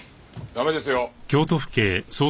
駄目ですよ。